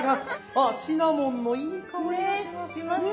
あシナモンのいい香りがしますよ。